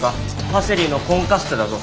パセリのコンカッセだぞ。